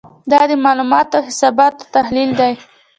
دا د معلوماتو او حساباتو تحلیل دی.